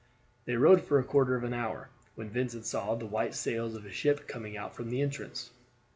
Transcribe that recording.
They rowed for a quarter of an hour, when Vincent saw the white sails of a ship coming out from the entrance.